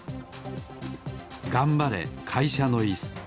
がんばれかいしゃのイス。